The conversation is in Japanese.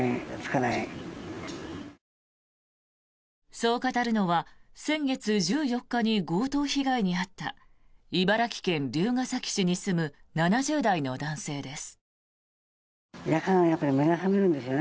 そう語るのは先月１４日に強盗被害に遭った茨城県龍ケ崎市に住む７０代の男性です。